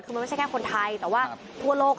คือมันไม่ใช่แค่คนไทยแต่ว่าทั่วโลก